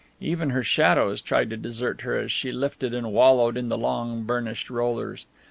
Even her shadows tried to desert her as she lifted and wallowed in the long, burnished rollers.